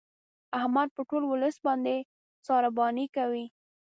احمد په ټول ولس باندې سارباني کوي.